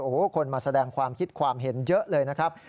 โอ้โหคนมาแสดงความคิดความเห็นเยอะเลยนะครับ